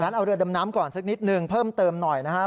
เอาเรือดำน้ำก่อนสักนิดนึงเพิ่มเติมหน่อยนะครับ